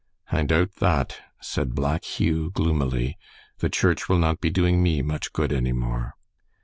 "I doubt that," said Black Hugh, gloomily. "The church will not be doing me much good any more."